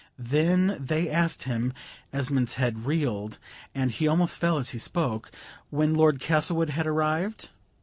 Then they asked him (Esmond's head reeled, and he almost fell as he spoke) when Lord Castlewood had arrived?